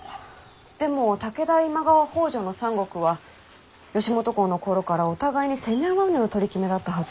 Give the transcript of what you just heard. でも武田今川北条の三国は義元公の頃からお互いに攻め合わぬお取り決めだったはず。